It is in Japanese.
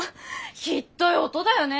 ひっどい音だよね。